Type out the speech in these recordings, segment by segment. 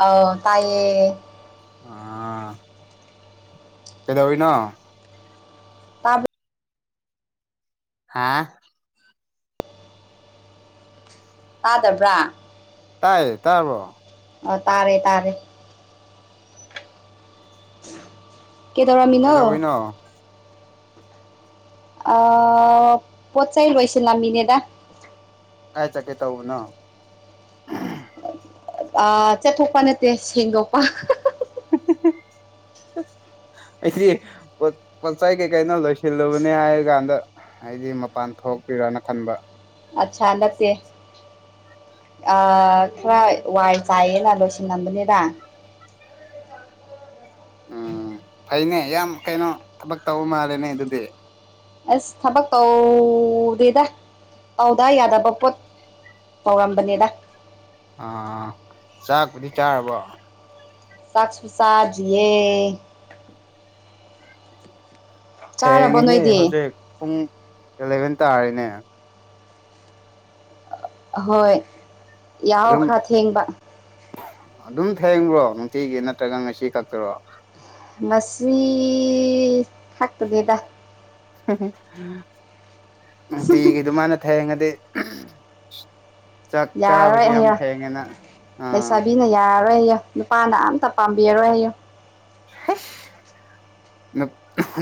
ꯑꯧ ꯇꯥꯏꯌꯦ ꯑꯥ ꯀꯩꯗꯧꯔꯤꯅꯣ ꯍꯥꯥ ꯇꯥꯗꯕ꯭ꯔꯥ ꯇꯥꯏꯌꯦ ꯇꯥꯔꯕꯣ ꯑꯣ ꯇꯥꯔꯦ ꯇꯥꯔꯦ ꯀꯦꯗꯧꯔꯝꯃꯤꯅꯣ ꯀꯩꯗꯧꯔꯤꯅꯣ ꯑꯥ ꯄꯣꯠ ꯆꯩꯩ ꯂꯣꯏꯁꯤꯜꯂꯝꯃꯤꯅꯦꯗ ꯀꯥꯏ ꯆꯠꯀꯦ ꯇꯧꯕꯅꯣ ꯑ ꯆꯠꯊꯣꯛꯄ ꯅꯠꯇꯦ ꯁꯦꯡꯗꯣꯛꯄ [unintelligible] ꯑꯩꯗꯤ ꯄꯣꯠ ꯄꯣꯠꯆꯥꯏ ꯀꯩꯀꯩꯅꯣ ꯂꯣꯏꯁꯤꯜꯂꯨꯕꯅꯦ ꯍꯥꯏꯔ ꯀꯥꯟꯗ ꯍꯥꯏꯗꯤ ꯃꯄꯥꯟ ꯊꯣꯛꯏꯔꯥꯅ ꯈꯟꯕ ꯑꯆꯥꯥ ꯅꯠꯇꯦ ꯑꯥ ꯈꯔ ꯋꯥꯏ ꯆꯥꯏꯌꯦꯅ ꯂꯣꯏꯁꯤꯜꯂꯝꯕꯅꯤꯗ ꯎꯝ ꯐꯩꯅꯦ ꯌꯥꯝ ꯀꯩꯅꯣ ꯊꯕꯛ ꯇꯧꯕ ꯃꯥꯜꯂꯦꯅꯦ ꯑꯗꯨꯗꯤ ꯑꯁ ꯊꯕꯛ ꯇꯧꯗꯦꯗ ꯇꯧꯗ ꯌꯥꯗꯕ ꯄꯣꯠ ꯇꯧꯔꯝꯕꯅꯤꯗ ꯑꯥ ꯆꯥꯛꯄꯨꯗꯤ ꯆꯥꯔꯕꯣ꯫ ꯆꯥꯛꯁꯨ ꯆꯥꯗꯔꯤꯌꯦ꯫ ꯆꯥꯔꯕꯣ ꯊꯦꯡꯉꯦꯍꯦ ꯅꯣꯏꯗꯤ ꯍꯧꯖꯤꯛ ꯄꯨꯡ ꯑꯦꯂꯦꯚꯦꯟ ꯇꯥꯔꯦꯅꯦ꯫ ꯑꯍꯣꯏ ꯌꯥꯎꯧ ꯑꯗꯨꯝ ꯈꯔ ꯊꯦꯡꯕ꯫ ꯑꯗꯨꯝ ꯊꯦꯡꯕ꯭ꯔꯣ ꯅꯨꯡꯇꯤꯒꯤ ꯅꯠꯇ꯭ꯔꯒ ꯉꯁꯤ ꯈꯛꯇꯔꯣ꯫ ꯉꯁꯤ ꯈꯛꯇꯅꯤꯗ꯫ ꯅꯨꯡꯇꯤꯒꯤ ꯑꯗꯨꯃꯥꯏ ꯊꯦꯡꯉꯗꯤ꯫ ꯆꯥꯛ ꯌꯥꯔꯔꯣꯏ ꯆꯥꯕꯁꯦ ꯌꯥꯝ ꯊꯦꯡꯉꯦꯅ ꯑꯥ꯫ ꯁꯤꯅ ꯌꯥꯔꯔꯣꯏꯌꯦ ꯅꯨꯄꯥꯅ ꯑꯝꯇ ꯄꯥꯝꯕꯤꯔꯔꯣꯏꯌꯦ꯫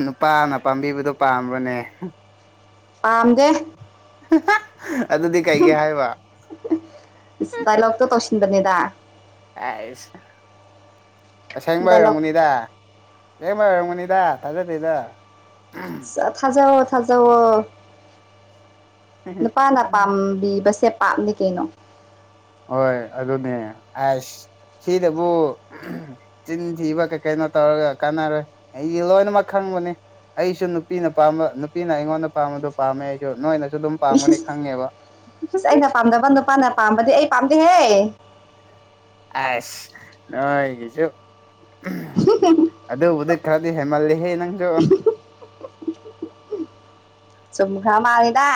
ꯅꯨꯄꯥꯅ ꯄꯥꯝꯕꯤꯕꯗꯣ ꯄꯥꯝꯕꯔꯅꯦ꯫ ꯄꯥꯝꯗꯦ꯫ ꯑꯗꯨꯗꯤ ꯀꯩꯒꯤ ꯍꯥꯏꯕ꯫ ꯗꯥꯏꯂꯣꯛꯇꯣ ꯇꯧꯁꯤꯟꯕꯅꯤꯗ꯫ ꯑꯩꯁ ꯑꯁꯦꯡꯕ ꯗꯥꯏꯂꯣꯛ ꯑꯣꯏꯔꯝꯒꯅꯤꯗ꯫ ꯑꯁꯦꯡꯕꯩ ꯑꯣꯏꯔꯝꯒꯅꯤꯗ ꯊꯥꯖꯗꯦꯗ꯫ ꯊꯥꯖꯧꯋꯣ ꯊꯥꯖꯧꯋꯣ꯫ ꯅꯨꯄꯥꯅ ꯄꯥꯝꯕꯤꯕꯁꯦ ꯄꯥꯞꯅꯤ ꯀꯩꯅꯣ꯫ ꯍꯣꯏ ꯑꯗꯨꯅꯦ ꯑꯁ ꯁꯤꯗꯕꯨ꯫ ꯆꯤꯟ ꯊꯤꯕ ꯀꯩ ꯀꯩꯅꯣ ꯇꯧꯔꯒ ꯀꯥꯟꯅꯔꯣꯏ ꯑꯩꯗꯤ ꯂꯣꯏꯅꯃꯛ ꯈꯪꯕꯅꯤ꯫ ꯑꯩꯁꯨ ꯅꯨꯄꯤꯅ ꯄꯥꯝꯕ ꯅꯨꯄꯤꯅ ꯑꯩꯉꯣꯟꯗ ꯄꯥꯝꯕꯗꯣ ꯄꯥꯝꯃꯦ ꯑꯩꯁꯨ ꯅꯣꯏꯅꯁꯨ ꯑꯗꯨꯝ ꯄꯥꯝꯒꯅꯤ ꯏꯁ ꯈꯪꯉꯦꯕ ꯑꯩꯅ ꯄꯥꯝꯗꯕ ꯅꯨꯄꯥꯅ ꯄꯥꯝꯕꯗꯤ ꯑꯩ ꯄꯥꯝꯗꯦꯍꯦ꯫ ꯑꯩꯁ ꯅꯣꯏꯒꯤꯁꯨ꯫ ꯑꯗꯨꯕꯨꯗꯤ ꯈꯔꯗꯤ ꯍꯦꯟꯃꯜꯂꯤꯍꯦ ꯅꯪꯁꯨ꯫ ꯆꯨꯝꯈ꯭ꯔ ꯃꯥꯜꯂꯤꯗ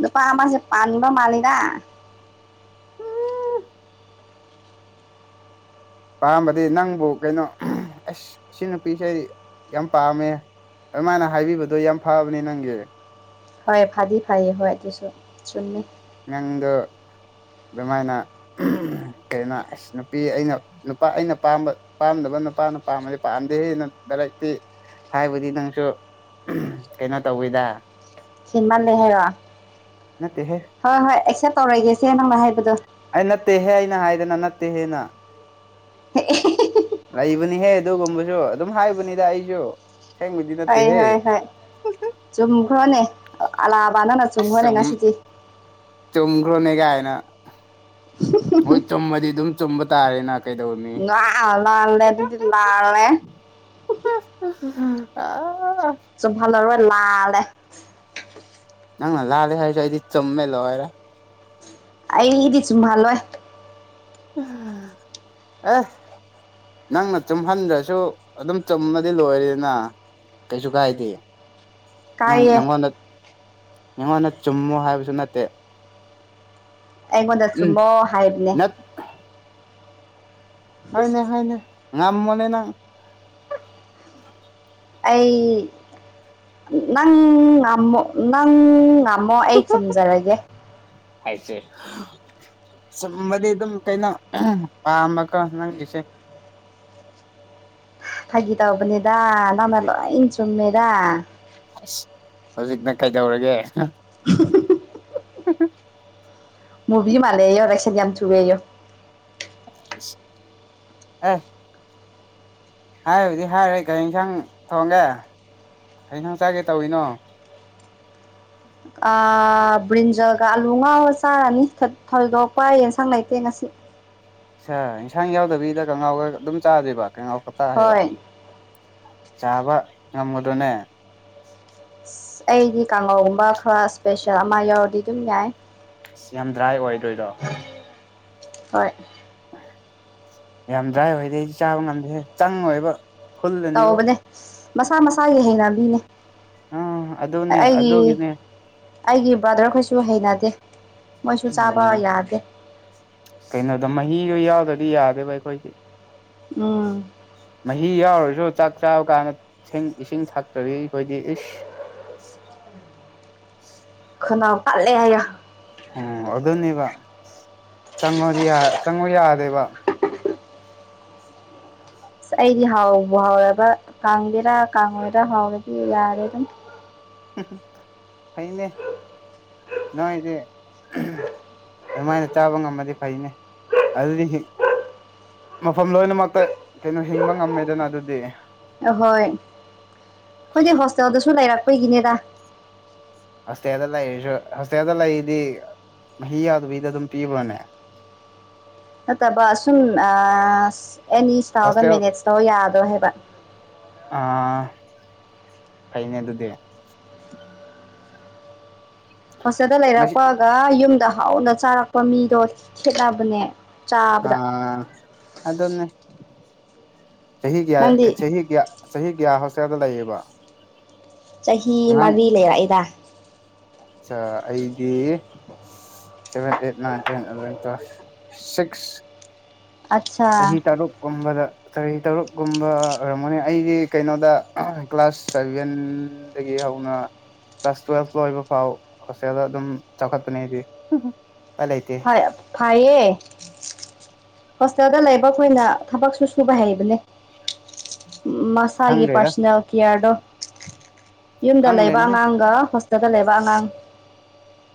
ꯅꯨꯄꯥ ꯑꯃꯁꯦ ꯄꯥꯟꯕ ꯃꯥꯜꯂꯤꯗ꯫ ꯄꯥꯝꯕꯗꯤ ꯅꯪꯕꯨ ꯀꯩꯅꯣ ꯑꯩꯁ ꯁꯤ ꯅꯨꯄꯤꯁꯦ ꯑꯩ ꯌꯥꯝ ꯄꯥꯝꯃꯦ꯫ ꯑꯗꯨꯃꯥꯏꯅ ꯍꯥꯏꯕꯤꯕꯗꯣ ꯌꯥꯝ ꯐꯕꯅꯦ ꯅꯪꯒꯤ꯫ ꯍꯣꯏ ꯐꯥꯗꯤ ꯐꯩꯌꯦ ꯍꯣꯏ ꯑꯗꯨꯁꯨ ꯆꯨꯝꯃꯤ꯫ ꯅꯪꯗꯣ꯫ ꯑꯗꯨꯃꯥꯏꯅ ꯀꯩꯅꯣ ꯑꯁ ꯅꯨꯄꯤ ꯑꯩꯅ ꯅꯨꯄꯥ ꯑꯩꯅ ꯄꯥꯝꯕ ꯄꯥꯝꯗꯕ ꯅꯨꯄꯥꯅ ꯄꯥꯝꯕꯗꯤ ꯄꯥꯝꯗꯦꯍꯦ [unintelligible] ꯍꯥꯏꯕꯗꯤ ꯅꯪꯁꯨ ꯀꯩꯅꯣ ꯇꯧꯋꯤꯗ꯫ ꯊꯦꯡꯃꯜꯂꯦ ꯍꯥꯏꯔꯣ ꯅꯠꯇꯦꯍꯦ ꯍꯣꯏ ꯍꯣꯏ ꯑꯦꯛꯁꯦꯞ ꯇꯧꯔꯒꯦꯁꯦ ꯅꯪꯅ ꯍꯥꯏꯕꯗꯣ꯫ ꯑꯩ ꯅꯠꯇꯦꯍꯦ ꯑꯩꯅ ꯍꯥꯏꯗꯅ ꯅꯠꯇꯦꯍꯦꯅ [unintelligible] ꯂꯩꯕꯅꯤꯍꯦ ꯑꯗꯨꯒꯨꯝꯕꯁꯨ ꯑꯗꯨꯝ ꯍꯥꯏꯕꯅꯤꯗ ꯑꯩꯁꯨ ꯑꯁꯦꯡꯕꯗꯤ ꯍꯣꯏ ꯅꯠꯇꯦꯍꯦ ꯍꯣꯏ ꯍꯣꯏ ꯆꯨꯝꯈ꯭ꯔꯣꯅꯦ ꯑꯂꯥꯕꯥ ꯅꯪꯅ ꯆꯨꯝꯈ꯭ꯔꯣꯅꯦ ꯉꯁꯤꯗꯤ ꯆꯨꯝ꯭ꯈꯔꯣꯅꯦ ꯒꯥꯏꯅ ꯍꯣꯏ ꯆꯨꯝꯃꯗꯤ ꯑꯗꯨꯝ ꯆꯨꯝꯕ ꯇꯥꯔꯦꯅ ꯀꯩꯗꯧꯅꯤ ꯉꯥ ꯂꯥꯜꯂꯦ ꯑꯗꯨꯗꯤ ꯂꯥꯜꯂꯦ [inaudible] ꯆꯨꯝꯍꯜꯂꯔꯣꯏ ꯂꯥꯜꯂꯦ ꯅꯪꯅ ꯂꯥꯜꯂꯦ ꯍꯥꯏꯔꯁꯨ ꯑꯩꯗꯤ ꯆꯨꯝꯃꯦ ꯂꯣꯏꯔꯦ ꯑꯩꯗꯤ ꯆꯨꯝꯍꯜꯂꯣꯏ [unintelligible] ꯅꯪꯅ ꯆꯨꯝꯍꯟꯗ꯭ꯔꯁꯨ ꯑꯗꯨꯝ ꯆꯨꯝꯃꯗꯤ ꯂꯣꯏꯔꯦꯅ ꯀꯩꯁꯨ ꯀꯥꯏꯗꯦ ꯅꯪ ꯀꯥꯏꯌꯦ ꯅꯪꯉꯣꯟꯗ ꯅꯪꯉꯣꯟꯗ ꯆꯨꯝꯃꫭ ꯍꯥꯏꯕꯁꯨ ꯅꯠꯇꯦ ꯑꯩꯉꯣꯟꯗ ꯎꯝ ꯆꯨꯝꯃꯣ ꯍꯥꯏꯕꯅꯦ ꯅꯠ ꯍꯣꯏꯅꯦ ꯍꯣꯏꯅꯦ ꯉꯝꯃꯣꯅꯦ ꯅꯪ ꯑꯩ ꯅꯪ ꯉꯝꯃꯣ ꯅꯪ ꯉꯝ ꯃꯣ ꯑꯩ ꯆꯨꯝꯖꯔꯒꯦ ꯍꯥꯏꯁꯦ ꯆꯨꯝꯃꯗꯤ ꯑꯗꯨꯝ ꯀꯩꯅꯣ ꯄꯥꯝꯃꯒ ꯅꯪꯒꯤꯁꯦ ꯐꯥꯒꯤ ꯇꯧꯕꯅꯤꯗ ꯅꯪꯅ ꯂꫭꯏ ꯆꯨꯝꯃꯦꯗꯥ ꯑꯁ ꯍꯧꯖꯤꯛꯅ ꯀꯩꯗꯧꯔꯒꯦ [unintelligible] [unintelligible] ꯃꯨꯚꯤ ꯃꯥꯜꯂꯦꯌꫭ ꯉꯁꯤꯗꯤ ꯌꯥꯝ ꯊꯨꯔꯦꯌꯨ ꯑ ꯍꯥꯏꯔꯔꫭꯏꯗꯤ ꯍꯥꯏꯔꯔꫭꯏ ꯀꯔꯤ ꯏꯟꯁꯥꯡ ꯊꯣꯡꯒꯦ ꯀꯩꯁꯥꯡ ꯆꯥꯒꯦ ꯇꯧꯔꯤꯅꯣ ꯑ ꯕ꯭ꯔꯤꯟꯖꯜꯒ ꯑꯥꯂꯨ ꯉꯧꯔ ꯆꯥꯔꯅꯤ ꯊꯣꯏꯗꯣꯛꯄ ꯌꯦꯟꯁꯥꯡ ꯂꯩꯇꯦ ꯉꯁꯤꯗꯤ ꯍ ꯏꯟꯁꯥꯡ ꯌꯥꯎꯗꯕꯤꯗ ꯀꯥꯡꯍꯧꯒ ꯑꯗꯨꯝ ꯆꯥꯗꫭꯏꯕ ꯀꯥꯡꯍꯧ ꯈꯠꯇꯥ ꯍꯥꯏꯕ ꯍꯣꯏ ꯆꯥꯕ ꯉꯝꯒꯗꯔꫭꯅꯦ ꯑꯁ ꯑꯩꯗꯤ ꯀꯥꯡꯉꯧꯒꯨꯝꯕ ꯈꯔ ꯏꯁꯄꯦꯁꯦꯜ ꯑꯃ ꯌꯥꯎꯔꯗꯤ ꯑꯗꯨꯝ ꯌꯥꯏ ꯌꯥꯝ ꯗ꯭ꯔꯥꯏ ꯑꯣꯏꯗꯣꯏꯗꫭ ꯍꯣꯏ ꯌꯥꯝ ꯗ꯭ꯔꯥꯏ ꯑꫭꯏꯔꯗꯤ ꯑꯩꯗꯤ ꯆꯥꯕ ꯉꯝꯗꯦꯍꯦ ꯆꯪꯉꯣꯏꯕ ꯐꯨꯜꯂꯅꯤꯕ ꯇꯧꯕꯅꯦ ꯃꯁꯥ ꯃꯁꯥꯒꯤ ꯍꯩꯅꯕꯤꯅꯦ ꯑꯥ ꯑꯗꯨꯅꯦ ꯑꯩꯒꯤ ꯑꯗꯨꯒꯤꯅꯦ ꯑꯩꯒꯤ ꯕ꯭ꯔꯗꯔꯈꯣꯏꯁꯨ ꯍꯩꯅꯗꯦ ꯃꯣꯏꯁꯨ ꯎꯝ ꯆꯥꯕ ꯌꯥꯗꯦ ꯀꯩꯅꯣꯗ ꯃꯍꯤꯗꯨ ꯌꯥꯎꯗ꯭ꯔꯗꯤ ꯌꯥꯗꯦꯕ ꯑꯩꯈꯣꯏꯗꯤ ꯎꯝ ꯃꯍꯤ ꯌꯥꯎꯔꯁꯨ ꯆꯥꯛ ꯆꯥꯕ ꯀꯥꯟꯗ ꯏꯁꯤꯡ ꯊꯛꯇꯔꯗꯤ ꯑꯩꯈꯣꯏꯗꯤ ꯏꯁ ꯈꯅꯥꯎ ꯄꯜꯂꯦ ꯍꯥꯏꯌꫭ ꯎꯝ ꯑꯗꯨꯅꯦꯕ ꯆꯪꯉꫭꯗꯤ ꯌꯤ ꯆꯪꯉꯣ ꯌꯥꯗꯦꯕ ꯑꯁ ꯑꯩꯗꯤ ꯍꯥꯎꯕꯨ ꯍꯥꯎꯔꯕ ꯀꯪꯒꯦꯔꯥ ꯀꯪꯉꯣꯏꯔꯥ ꯍꯥꯎꯔꯗꯤ ꯌꯥꯔꯦ ꯑꯗꯨꯝ ꯐꯩꯅꯦ ꯅꫭꯏꯁꯦ ꯑꯗꯨꯃꯥꯏꯅ ꯆꯥꯕ ꯉꯝꯃꯗꯤ ꯐꯩꯅꯦ ꯑꯗꯨꯗꯤ ꯃꯐꯝ ꯂꯣꯏꯅꯃꯛꯇ ꯀꯩꯅꯣ ꯍꯤꯡꯕ ꯉꯝꯃꯦꯗꯅ ꯑꯗꯨꯗꯤ ꯑꯍꯣꯏ ꯈꯣꯏꯗꯤ ꯍꯣꯁꯇꯦꯜꯗꯁꯨ ꯂꯩꯔꯛꯄꯒꯤꯅꯤꯗ ꯍꯣꯁꯇꯦꯜꯗ ꯂꯩꯔꯁꯨ ꯍꯣꯁꯇꯦꯜꯗ ꯂꯩꯔꯤꯗꯤ ꯃꯍꯤ ꯌꯥꯗꯕꯤꯗ ꯑꯗꯨꯝ ꯄꯤꯕ꯭ꯔꯣꯅꯦ ꯅꯠꯇꯕ ꯑꯁꯨꯝ ꯑꯁ ꯑꯦꯅꯤ ꯏꯁꯇꯥꯏꯟꯗ ꯍꯣꯁꯇꯦꯜ ꯃꯦꯅꯦꯖ ꯇꯧ ꯌꯥꯗ꯭ꯔꯣ ꯍꯥꯏꯕ ꯑ ꯐꯩꯅꯦ ꯑꯗꯨꯗꯤ ꯍꯣꯁꯇꯦꯜꯗ ꯉꯁꯤ ꯂꯩꯔꯛꯄꯒ ꯌꯨꯝꯗ ꯍꯥꯎꯅ ꯆꯥꯔꯛꯄ ꯃꯤꯗꯣ ꯈꯦꯠꯅꯕꯅꯦ ꯆꯥꯕꯗ ꯑ ꯑꯗꯨꯅꯦ ꯆꯍꯤ ꯅꯪꯗꯤ ꯀꯌꯥ ꯆꯍꯤ ꯀꯌꯥ ꯆꯍꯤ ꯀꯌꯥ ꯍꯣꯁꯇꯦꯜꯗ ꯂꯩꯌꯦꯕ ꯆꯍꯤ ꯃꯔꯤ ꯂꯩꯔꯛꯏꯗ ꯑ ꯑꯩꯗꯤ seven eight nine ten eleven ꯇꯨꯌꯦꯜꯑ ꯁꯤꯛꯁ ꯑꯠꯆꯥ ꯁꯍꯤ ꯇꯔꯨꯛ ꯀꯨꯝꯕꯗ ꯆꯍꯤ ꯇꯔꯨꯛꯀꯨꯝꯕ ꯑꯣꯏꯔꯝꯒꯅꯤ ꯑꯩꯗꯤ ꯀꯩꯅꯣꯗ ꯀ꯭ꯂꯥꯁ ꯁꯚꯦꯟ ꯗꯒꯤ ꯍꯧꯅ ꯀ꯭ꯂꯥꯁ ꯇꯨꯋꯦꯜꯐ ꯂꯣꯏꯕ ꯐꯥꯎ ꯍꯣꯁꯇꯦꯜꯗ ꯑꯗꯨꯝ ꯆꯥꯎꯈꯠꯄꯅꯦ ꯑꯩꯗꯤ ꯎꯄꯥꯏ ꯂꯩꯇꯦ ꯍꯣꯏ ꯐꯩꯌꯦ ꯍꯣꯁꯇꯦꯜꯗ ꯂꯩꯕ ꯈꯣꯏꯅ ꯊꯕꯛꯁꯨ ꯁꯨꯕ ꯍꯩꯕꯅꯦ ꯃ ꯃꯁꯥꯒꯤ ꯈꯪꯗ꯭ꯔꯦꯗ ꯄꯥꯔꯁꯣꯅꯦꯜ ꯀꯤꯌꯥꯔꯗꯣ ꯌꯨꯝꯗ ꯂꯩꯕ ꯈꯪꯗ꯭ꯔꯦꯅꯦꯍꯦ ꯑꯉꯥꯡꯒ ꯍꯣꯁ ꯇꯦꯜꯗ ꯂꯩꯕ ꯑꯉꯥꯡ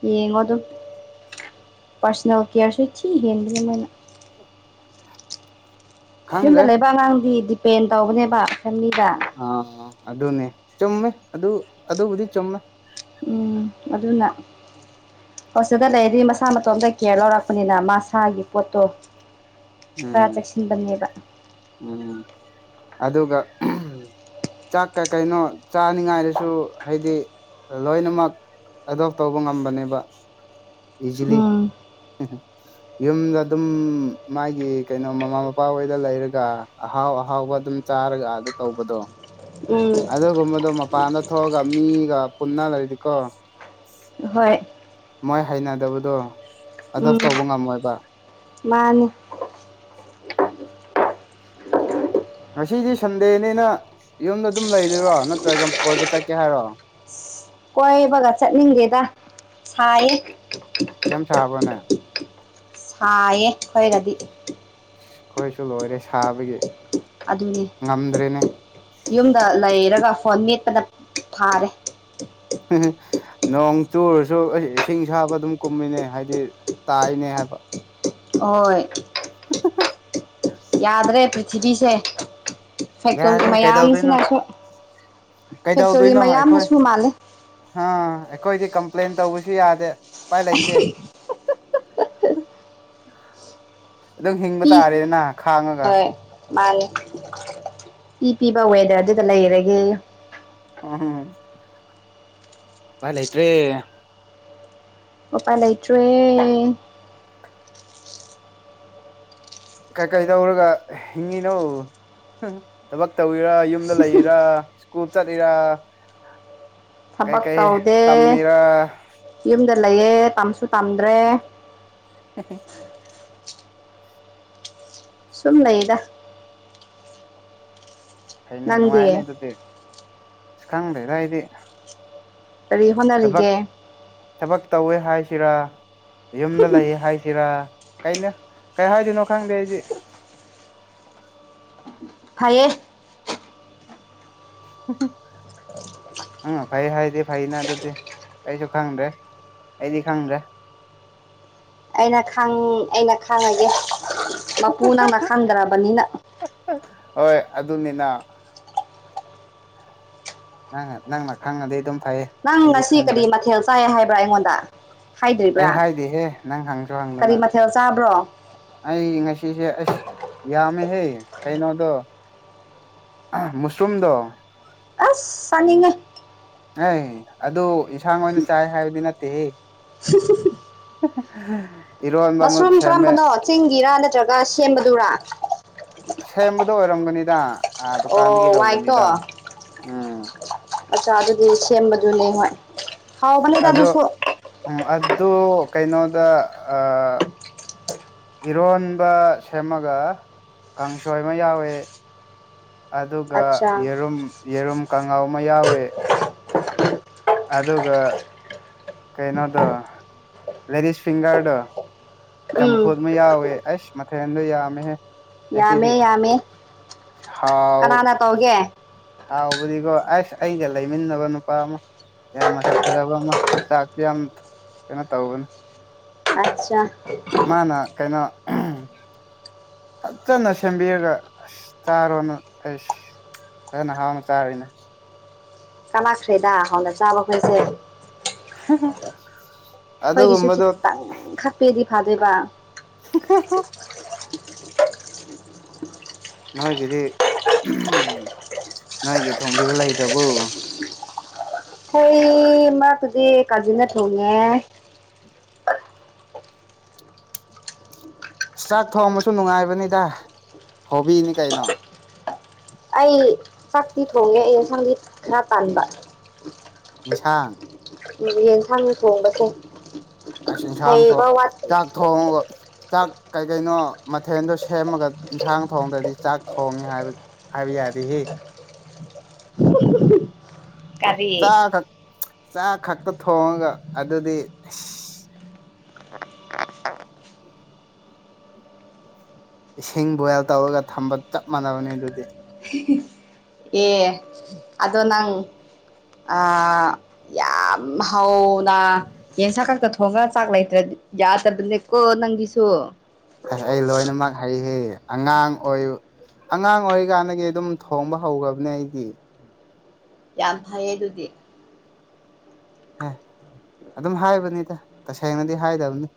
ꯌꯦꯡꯉꯣ ꯑꯗꯨ ꯄꯥꯔꯁꯣꯅꯦꯜ ꯀꯦꯌꯔꯁꯨ ꯊꯤ ꯍꯦꯟꯕꯅꯦ ꯃꯣꯏꯅ ꯈꯪꯗ꯭ꯔꯦ ꯌꯨꯝꯗ ꯂꯩꯕ ꯑꯉꯥꯡꯗꯤ ꯗꯤꯄꯦꯟ ꯇꯧꯕꯅꯦꯕ ꯐꯦꯃꯤꯂꯤꯗ ꯑ ꯑꯗꯨꯅꯦ ꯆꯨꯝꯃꯦ ꯑꯗꯨ ꯑꯗꯨꯕꯨꯗꯤ ꯆꯨꯝꯃꯦ ꯎꯝ ꯑꯗꯨꯅ ꯍꯣꯁꯇꯦꯜꯗ ꯂꯩꯔꯗꯤ ꯃꯁꯥ ꯃꯇꯣꯝꯇ ꯀꯦꯌꯔ ꯂꯧꯔꯛꯄꯅꯤꯅ ꯃꯥꯁꯥꯒꯤ ꯄꯣꯠꯇꯣ ꯈꯔ ꯎꯝ ꯆꯦꯛꯁꯤꯟꯕꯅꯦꯕ ꯎꯝ ꯑꯗꯨꯒ ꯆꯥꯛꯀ ꯀꯩꯅꯣ ꯆꯥꯅꯤꯡꯉꯥꯏꯗꯨꯁꯨ ꯍꯥꯏꯗꯤ ꯂꯣꯏꯅꯃꯛ ꯑꯗꯣꯞ ꯇꯧꯕ ꯉꯝꯕꯅꯦꯕ ꯎꯝ [unintelligible] ꯌꯨꯝꯗ ꯑꯗꯨꯝ ꯃꯥꯒꯤ ꯀꯩꯅꯣ ꯃꯃꯥ ꯃꯄꯥ ꯍꯣꯏꯗ ꯂꯩꯔꯒ ꯑꯍꯥꯎ ꯑꯍꯥꯎꯕ ꯑꯗꯨꯝ ꯆꯥꯔꯒ ꯑꯗꯥ ꯇꯧꯕꯗꯣ ꯎꯝ ꯑꯗꯨꯒꯨꯝꯕꯗꯣ ꯃꯄꯥꯟꯗ ꯊꯣꯛꯑꯒ ꯃꯤꯒ ꯄꯨꯟꯅ ꯂꯩꯔꯗꯤꯀꯣ ꯍꯣꯏ ꯃꯣꯏ ꯍꯩꯅꯗꯕꯗꯣ ꯑꯗꯣꯞ ꯎꯝ ꯇꯧꯕ ꯉꯝꯃꯣꯏꯕ ꯃꯥꯅꯤ ꯉꯁꯤꯗꯤ ꯁꯟꯗꯦꯅꯤꯅ ꯌꯨꯝꯗ ꯑꯗꯨꯝ ꯂꯩꯗꯣꯏꯔꯣ ꯅꯠꯇ꯭ꯔꯒ ꯀꯣꯏꯕ ꯆꯠꯀꯦ ꯍꯥꯏꯔꯣ ꯀꯣꯏꯕꯒ ꯆꯠꯅꯤꯡꯗꯦꯗ ꯁꯥꯏꯌꯦ ꯁꯦꯝ ꯁꯥꯕ꯭ꯔꯣ ꯅꯪ ꯁꯥꯏꯌꯦ ꯑꯩꯈꯣꯏꯗꯗꯤ ꯑꯩꯈꯣꯏꯁꯨ ꯂꯣꯏꯔꯦ ꯁꯥꯕꯒꯤ ꯑꯗꯨꯅꯦ ꯉꯝꯗ꯭ꯔꯦꯅꯦ ꯌꯨꯝꯗ ꯂꯩꯔꯒ ꯐꯣꯟ ꯃꯦꯠꯄꯗ ꯐꯥꯔꯦ ꯅꯣꯡ ꯆꯨꯔꯁꯨ ꯏꯁꯤꯡ ꯑꯁꯥꯕ ꯑꯗꯨꯝ ꯀꯨꯝꯃꯤꯅꯦ ꯍꯥꯏꯗꯤ ꯇꯥꯏꯅꯦ ꯍꯥꯏꯕ ꯍꯣꯏ [unintelligible] ꯌꯥꯗ꯭ꯔꯦ ꯄ꯭ꯔꯤꯊꯤꯕꯤꯁꯦ ꯐꯦꯛꯇꯣꯔꯤ ꯌꯥꯗꯦ ꯀꯩꯗꯧꯗꯣꯏꯅꯣ ꯃꯌꯥꯝꯁꯤꯅꯁꯨ ꯐꯦꯛꯇꯣꯔꯤ ꯃꯌꯥꯝꯅꯁꯨ ꯃꯥꯜꯂꯤ꯫ ꯍꯥ ꯑꯩꯈꯣꯏꯗꯤ ꯀꯝꯄ꯭ꯂꯦꯟ ꯇꯧꯕꯁꯨ ꯌꯥꯗꯦ ꯄꯥꯏ ꯂꯩꯇꯦ ꯑꯗꯨꯝ ꯍꯤꯡꯕ ꯇꯥꯔꯦꯅ ꯈꯥꯡꯉꯒ꯫ ꯃꯥꯏ ꯏ ꯄꯤꯕ ꯋꯦꯗꯔꯗꯨꯗ ꯂꯩꯔꯒꯦꯌꯨ ꯑꯣ ꯍ ꯄꯥꯏ ꯂꯩꯥꯏꯇꯔ꯭ꯦ ꯫ ꯎꯄꯥꯥꯏ ꯂꯩꯇ꯭ꯔꯦꯌꯦ ꯫ ꯀꯀꯩ ꯗꯧꯔꯒ ꯍꯤꯡꯉꯤꯅꯣ꯫ ꯊꯕꯛ ꯇꯧꯋꯤꯔꯥ ꯌꯨꯝꯗ ꯂꯩꯔꯤꯔꯥ ꯁ꯭ꯀꯨꯜ ꯆꯠꯂꯤꯔꯥ ꯫ ꯀꯩ ꯊꯕꯛ ꯀꯩ ꯇꯧꯗꯦ ꯇꯝꯃꯤꯔꯥ ꯫ ꯌꯨꯝꯗ ꯂꯩꯌꯦ ꯇꯝꯁꯨ ꯇꯝꯗ꯭ꯔꯦ꯫ ꯍꯦ ꯍꯦ ꯁꯨꯝ ꯂꯩꯗ ꯐꯩꯅꯦ ꯅꯪꯗꯤ ꯅꯨꯡꯉꯥꯏꯅꯦ ꯑꯗꯨꯗꯤ ꯁ ꯈꯪꯗ꯭ꯔꯦꯗ ꯑꯩꯗꯤ꯫ ꯀꯔꯤ ꯊꯕꯛ ꯍꯣꯠꯅꯔꯤꯒꯦ ꯫ ꯊꯕꯛ ꯇꯧꯋꯦ ꯍꯥꯏꯁꯤꯔꯥ ꯌꯨꯝꯗ ꯂꯩꯌꯦ ꯍꯥꯏꯁꯤꯔꯥ꯫ ꯀꯩꯅ ꯀꯩ ꯍꯥꯏꯗꯣꯏꯅꯣ ꯈꯪꯗꯦ ꯑꯩꯗꯤ꯫ ꯐꯌꯦ [inaudible] ꯅꯡꯅ ꯐꯩ ꯍꯥꯏꯗꯤ ꯐꯩꯅ ꯑꯗꯨꯗꯤ ꯑꯩꯁꯨ ꯈꯪꯗ꯭ꯔꯦ ꯑꯩꯗꯤ ꯈꯪꯗ꯭ꯔꯦ꯫ ꯑꯩꯅ ꯈꯪ ꯑꯩꯅ ꯈꯥꯡꯉꯒꯦ ꯃꯄꯨ ꯅꯪꯅ ꯈꯪꯗ꯭ꯔꯕꯅꯤꯅ꯫ ꯍꯣꯏ ꯑꯗꯨꯅꯤꯅ꯫ ꯅꯪꯅ ꯅꯪꯅ ꯈꯪꯉꯗꯤ ꯑꯗꯨꯝ ꯐꯩꯌꯦ꯫ ꯅꯪ ꯑꯩꯗꯤ ꯉꯁꯤ ꯈꯪꯗ꯭ꯔꯦ ꯀꯔꯤ ꯃꯊꯦꯜ ꯆꯥꯏ ꯍꯥꯏꯕ꯭ꯔꯥ ꯑꯩꯉꯣꯟꯗ ꯍꯥꯏꯗ꯭ꯔꯤꯕ꯭ꯔꯥ꯫ ꯗꯦꯍꯦ ꯅꯪ ꯍꯡꯁꯨ ꯍꯪ ꯀꯔꯤ ꯃꯊꯦꯜ ꯆꯥꯕ꯭ꯔꯣ? ꯑꯩ ꯉꯁꯤꯁꯦ ꯑꯩꯁ ꯌꯥꯝꯃꯦꯍꯦ ꯀꯩꯅꯣꯗꯣ꯫ ꯑ ꯃꯨꯁꯔꯨꯝꯗꯣ꯫ ꯑꯁ ꯆꯥꯅꯤꯡꯉꯦ꯫ ꯑꯩꯍ ꯑꯗꯨ ꯏꯟꯁꯥꯡ ꯑꯣꯏꯅ ꯆꯥꯏ ꯍꯥꯏꯕꯗꯤ ꯅꯠꯇꯦꯍꯦ꯫ [inaudible] ꯑꯃꯨꯛ ꯃꯁꯔꯨꯝ ꯁꯦꯝꯃꯦ ꯀꯔꯝꯕꯅꯣ ꯆꯤꯡꯒꯤꯔ ꯅꯠꯇ꯭ꯔꯒ ꯁꯦꯝꯕꯗꯨꯔꯥ꯫ ꯑꯁꯦꯝꯕꯗꯣ ꯑꯣꯏꯔꯝꯒꯅꯤꯗ ꯑꯥ ꯗꯨꯀꯥꯟꯗꯒꯤ ꯑꯣ ꯋꯥꯏꯠꯇꯣ ꯂꯧꯕꯅꯤꯗꯥ ꯎꯝ꯫ ꯑꯠꯆꯥ ꯑꯗꯨꯗꯤ ꯁꯦꯝꯕꯗꯨꯅꯤ ꯍꯣꯏ ꯫ ꯑꯗꯣ ꯑꯡ ꯑꯗꯣ ꯀꯩꯅꯣꯗ ꯑ꯫ ꯏꯔꯣꯟꯕ ꯁꯦꯝꯃꯒ꯫ ꯀꯥꯡꯁꯣꯏ ꯑꯃ ꯌꯥꯎꯋꯦ꯫ ꯑꯗꯨꯒ ꯑꯠꯆꯥ ꯌꯦꯔꯨꯝ ꯌꯦꯔꯨꯝ ꯀꯥꯡꯉꯧ ꯑꯃ ꯌꯥꯎꯋꯦ꯫ ꯑꯗꯨꯒ ꯀꯩꯩꯅꯣꯗꯣ ꯂꯦꯗꯤꯁ ꯐꯤꯒꯔꯗꯣ꯫ ꯎꯝ ꯆꯝꯐꯨꯠ ꯑꯃ ꯌꯥꯎꯋꯦ ꯑꯩꯁ ꯃꯊꯦꯟꯗꯣ ꯌꯥꯝꯃꯦꯍꯦ꯫ ꯉꯁꯤꯗꯤ ꯌꯥꯝꯃꯦ ꯌꯥꯝꯃꯦ ꯁꯍꯥꯎ ꯀꯅꯥꯅ ꯇꯧꯒꯦ ꯍꯥꯎꯕꯗꯤꯒꯣ ꯑꯥꯏꯁ ꯑꯩꯒ ꯂꯩ ꯃꯤꯟꯅꯕ ꯅꯨꯄꯥ ꯑꯃ ꯌꯥꯝ ꯃꯁꯛ ꯐꯖꯕ ꯑꯃ ꯆꯥꯛꯁꯨ ꯌꯥꯝ ꯀꯩꯅꯣ ꯇꯧꯕꯅꯤ ꯫ ꯑꯠꯆꯥ꯫ ꯃꯥꯅ ꯀꯩꯅꯣ [unintelligible] ꯐꯠꯖꯟꯅ ꯁꯦꯝꯕꯤꯔꯒ ꯑꯁ ꯆꯥꯔꯣꯅ ꯑꯩꯁ ꯐꯖꯅ ꯍꯥꯎꯅ ꯆꯥꯔꯦꯅꯦ ꯀꯂꯛꯈ꯭ꯔꯦꯗ ꯍꯥꯎꯅ ꯆꯥꯕꯈꯣꯏꯁꯦ [unintelligible] ꯑꯩꯈꯣꯏꯒꯤꯁꯨ ꯈꯤꯇꯪ ꯈꯛꯄꯤꯔꯗꯤ ꯐꯥꯗꯣꯏꯕ [unintelligible] ꯅꯣꯏꯒꯤꯗꯤ ꯅꯣꯏꯒꯤ ꯊꯣꯡꯕꯤꯕ ꯂꯩꯇ꯭ꯔꯕꯣ ꯊꯣꯡ ꯃꯔꯛꯇꯗꯤ ꯀꯥꯖꯤꯟꯗ ꯊꯣꯡꯉꯦ ꯆꯥꯛ ꯊꯣꯡꯕꯁꯨ ꯅꯨꯡꯉꯥꯏꯕꯅꯤꯗ ꯍꯣꯕꯤꯅꯤ ꯀꯩꯅꯣ ꯑꯩ ꯆꯥꯛꯇꯤ ꯊꯣꯡꯉꯦ ꯑꯩ ꯏꯟꯁꯥꯡꯗꯤ ꯈꯔ ꯇꯟꯕ ꯏꯟꯁꯥꯡ [unintelligible] ꯌꯦꯟꯁꯥꯡ ꯊꯣꯡꯕꯁꯦ ꯑꯁ ꯏꯟꯁꯥꯡ ꯊꯣ ꯍꯩꯕ ꯋꯥꯠꯄꯅꯦ ꯆꯥꯛ ꯊꯣꯡꯕ ꯆꯥꯛ ꯀꯩ ꯀꯩꯅꯣ ꯃꯊꯦꯜꯗꯣ ꯁꯦꯝꯃꯒ ꯏꯟꯁꯥꯡ ꯊꯣꯡꯗ꯭ꯔꯗꯤ ꯆꯥꯛ ꯊꯣꯡꯉꯦ ꯍꯥꯏꯕ ꯍꯥꯏꯕ ꯌꯥꯗꯦꯍꯦ ꯆꯥ ꯀꯔꯤ ꯈꯛ ꯆꯥ ꯈꯛꯇ ꯊꯣꯡꯉꯒ ꯑꯗꯨꯗꯤ ꯑꯩꯁ ꯏꯁꯤꯡ ꯕꯣꯏꯜ ꯇꯧꯔꯒ ꯊꯝꯕ ꯆꯞ ꯃꯥꯟꯅꯕꯅꯦ ꯑꯗꯨꯗꯤ [unintelligible] ꯑꯦ ꯑꯗꯣ ꯅꯪ ꯑ ꯌꯥꯝ ꯍꯥꯎ ꯗ ꯌꯦꯟꯁꯥꯡ ꯈꯛꯇ ꯊꯣꯡꯔ ꯆꯥꯛ ꯂꯩꯇ꯭ꯔꯗꯤ ꯌꯥꯗꯕꯅꯦꯀꯣ ꯅꯪꯒꯤꯁꯨ ꯑꯍꯩ ꯂꯣꯏꯅꯃꯛ ꯍꯩꯍꯦ ꯑꯉꯥꯡ ꯑꯣꯏꯌꯨ ꯑꯉꯥꯡ ꯑꯣꯏꯔꯤꯀꯥꯟꯗꯒꯤ ꯑꯗꯨꯝ ꯊꯣꯡꯕ ꯍꯧꯒ꯭ꯔꯕꯅꯦ ꯑꯩꯗꯤ ꯌꯥꯝ ꯐꯩꯌꯦ ꯑꯗꯨꯗꯤ ꯑꯦ ꯑꯗꯨꯝ ꯍꯥꯏꯕꯅꯤꯗ ꯇꯁꯦꯡꯅꯗꯤ ꯍꯥꯏꯗꯝꯅꯤ